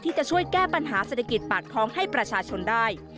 จะช่วยแก้ปัญหาเศรษฐกิจปากท้องให้ประชาชนได้